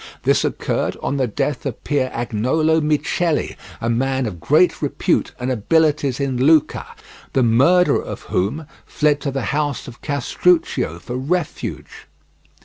This occurred on the death of Pier Agnolo Micheli, a man of great repute and abilities in Lucca, the murderer of whom fled to the house of Castruccio for refuge.